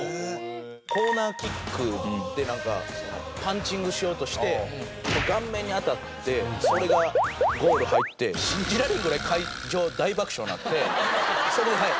コーナーキックでパンチングしようとして顔面に当たってそれがゴールに入って信じられんぐらい会場大爆笑になってそれではい。